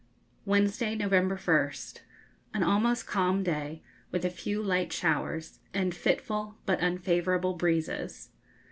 Wednesday, November 1st. An almost calm day, with a few light showers, and fitful but unfavourable breezes.